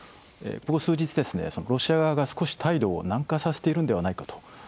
ここ数日ロシア側が少し態度を軟化させているのではないかと。